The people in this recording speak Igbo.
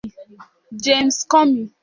James Comey